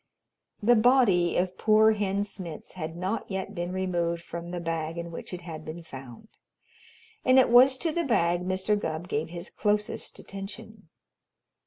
The body of poor Hen Smitz had not yet been removed from the bag in which it had been found, and it was to the bag Mr. Gubb gave his closest attention.